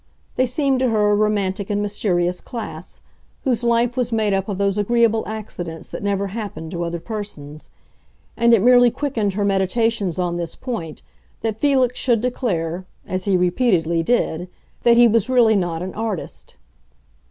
They seemed to her a romantic and mysterious class, whose life was made up of those agreeable accidents that never happened to other persons. And it merely quickened her meditations on this point that Felix should declare, as he repeatedly did, that he was really not an artist.